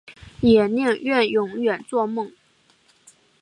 也宁愿永远作梦